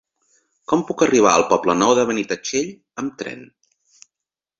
Com puc arribar al Poble Nou de Benitatxell amb tren?